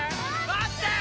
待ってー！